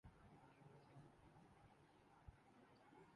ہم پاکستانی لڑکیاں بہت مضبوط ہیں منہل سہیل